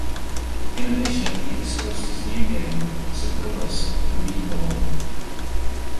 In addition he discussed his new game "Succubus: The Reborn".